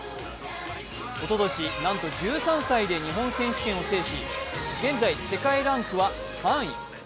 おととし、なんと１３歳で日本選手権を制し現在、世界ランクは３位。